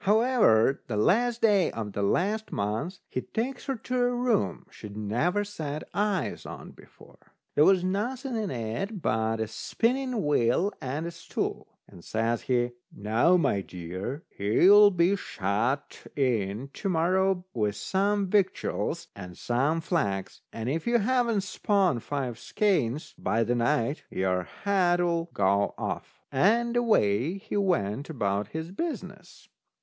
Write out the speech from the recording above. However, the last day of the last month he takes her to a room she'd never set eyes on before. There was nothing in it but a spinning wheel and a stool. And says he: "Now, my dear, here you'll be shut in to morrow with some victuals and some flax, and if you haven't spun five skeins by the night, your head'll go off." And away he went about his business.